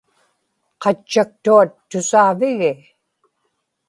qatchaqtuat tusaavigi